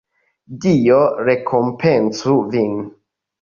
Dio rekompencu vin!